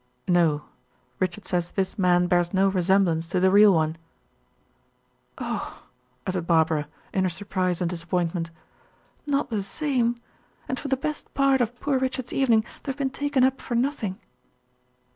"No. Richard says this man bears no resemblance to the real one." "Oh!" uttered Barbara, in her surprise and disappointment. "Not the same! And for the best part of poor Richard's evening to have been taken up for nothing."